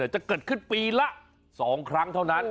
จะเกิดขึ้นปีละ๒ครั้งเท่านั้น